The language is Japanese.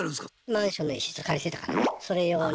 マンションの一室借りてたからねそれ用に。